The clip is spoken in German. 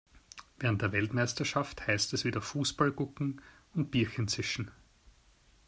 Während der Weltmeisterschaft heißt es wieder Fußball gucken und Bierchen zischen.